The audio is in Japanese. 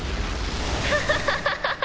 ハハハハハハ！